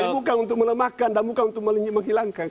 bukan untuk melemahkan dan bukan untuk menghilangkan